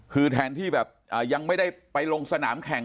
คือแทนที่แบบยังไม่ได้ไปลงสนามแข่ง